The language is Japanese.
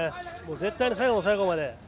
絶対に最後の最後まで。